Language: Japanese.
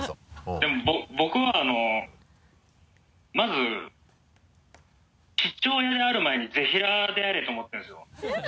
でも僕はあのまず父親であるまえにぜひらーであれと思ってるんですよ。